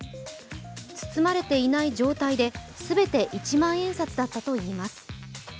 包まれていない状態で全て一万円札だったといいます。